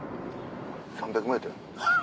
３００ｍ。